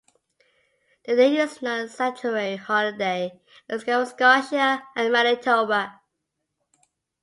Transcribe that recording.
The day is not a statutory holiday in Nova Scotia and Manitoba.